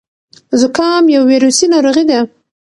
زکام یو ویروسي ناروغي ده.